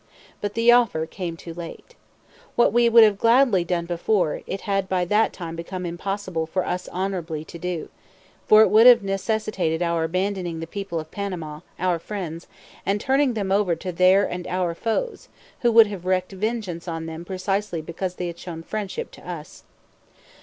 But the offer came too late. What we would gladly have done before, it had by that time become impossible for us honorably to do; for it would have necessitated our abandoning the people of Panama, our friends, and turning them over to their and our foes, who would have wreaked vengeance on them precisely because they had shown friendship to us.